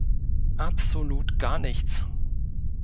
Absolut gar nichts!